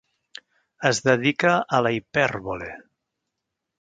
Es dedica a la hipèrbole.